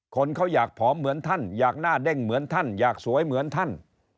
คนเขาอยากผอมเหมือนท่านอยากหน้าเด้งเหมือนท่านอยากสวยเหมือนท่าน